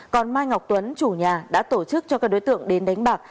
còn mai ngọc tuấn chủ nhà đã tổ chức cho các đối tượng đến đánh bạc